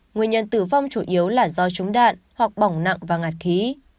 nguyên nhân tử vong chủ yếu là do trúng đạn hoặc bỏng nặng và ngạt khí